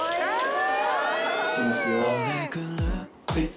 行きますよ。